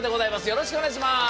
よろしくお願いします。